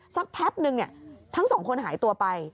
สักแป๊บนึงทั้งสองคนหายตัวไป